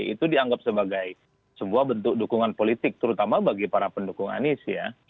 itu dianggap sebagai sebuah bentuk dukungan politik terutama bagi para pendukung anies ya